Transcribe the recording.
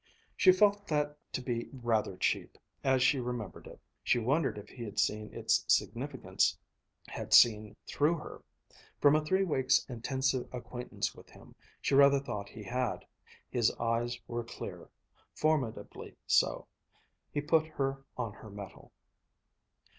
She felt that to be rather cheap, as she remembered it. She wondered if he had seen its significance, had seen through her. From a three weeks' intensive acquaintance with him, she rather thought he had. His eyes were clear, formidably so. He put her on her mettle.